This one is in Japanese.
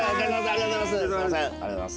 ありがとうございます。